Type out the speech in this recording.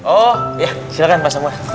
oh iya silahkan pak semuanya